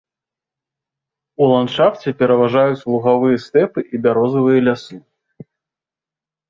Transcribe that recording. У ландшафце пераважаюць лугавыя стэпы і бярозавыя лясы.